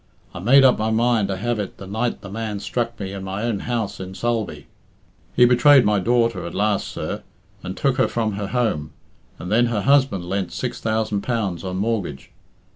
I made up my mind to have it the night the man struck me in my own house in Sulby. He betrayed my daughter at last, sir, and took her from her home, and then her husband lent six thousand pounds on mortgage.